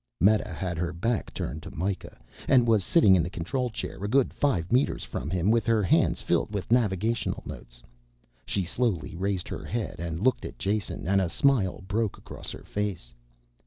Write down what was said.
Meta had her back turned to Mikah and was sitting in the control chair a good five meters from him with her hands filled with navigational notes. She slowly raised her head and looked at Jason and a smile broke across her face.